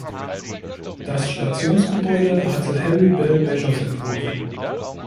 Das Stationsgebäude hatte Harry Bell Measures entworfen.